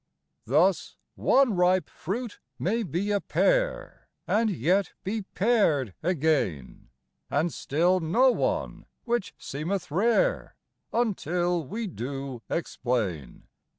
Thus, one ripe fruit may be a pear, and yet be pared again, And still no one, which seemeth rare until we do explain.